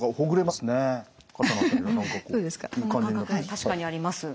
確かにあります。